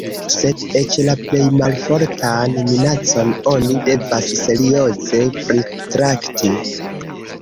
Sed eĉ la plej malfortan minacon oni devas serioze pritrakti.